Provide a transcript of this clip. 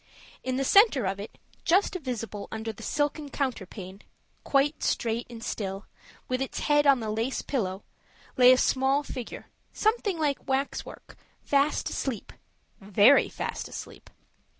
In the center of it, just visible under the silken counterpane, quite straight and still, with its head on the lace pillow, lay a small figure, something like wax work, fast asleep very fast asleep!